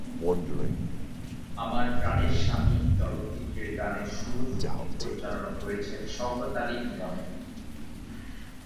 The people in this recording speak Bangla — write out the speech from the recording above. আমার প্রাণের স্বামী চলচ্চিত্রের গানের সুর ও সঙ্গীত পরিচালনা করেছেন শওকত আলী ইমন।